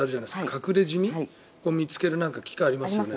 隠れジミを見つける機械ありますよね。